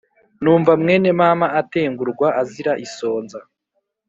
Numva mwene mama Atengurwa azira isonza